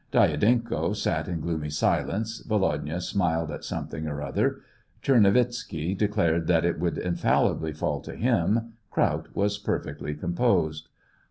Dya denko sat in gloomy silence, Volodya smiled at something or other, Tchernovitzky declared that it would infallibly fall to him, Kraut. was perfectly composed.